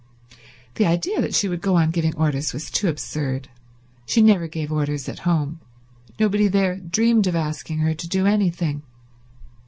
The idea that she would go on giving orders was too absurd. She never gave orders at home. Nobody there dreamed of asking her to do anything.